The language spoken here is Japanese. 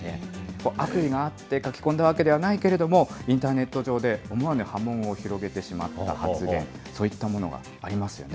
悪意があって書き込んだわけではないけれども、インターネット上で思わぬ波紋を広げてしまった発言、そういったものがありますよね。